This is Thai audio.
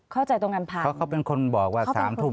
เข้าใจตรงกันผ่านเขาเป็นคนบอกว่า๓ทุ่ม